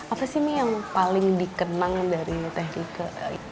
apa sih nih yang paling dikenang dari teknika